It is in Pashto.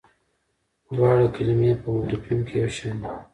دواړه کلمې په مورفیم کې یوشان دي.